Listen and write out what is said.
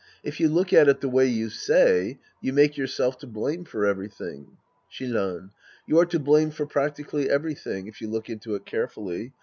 If you look at it the way you say, you make yourself to blame for everything. Shinran. You are to blame for practically every thing, if you look into it carefully.